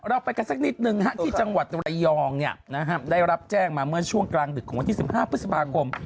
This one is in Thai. เราไปกันสักนิดนึงที่จังหวัดระยองได้รับแจ้งมาเมื่อช่วงกลางดึกของวันที่๑๕พฤษภาคม